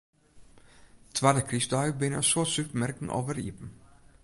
Twadde krystdei binne in soad supermerken alwer iepen.